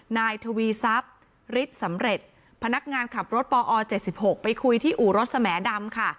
นายทวีทรัพย์ฤทธิ์สำเร็จพนักงานขับรถปอ๗๖ไปคุยที่อู่รถสแหมดำค่ะ